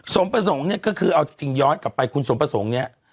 สมประสงค์เนี่ยก็คือเอาจริงย้อนกลับไปคุณสมประสงค์เนี่ย